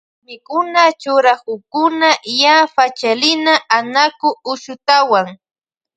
Warmikuna churakunkuna yaa Pachalina, Anaku, Ushutawan.